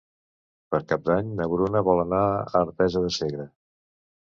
Per Cap d'Any na Bruna vol anar a Artesa de Segre.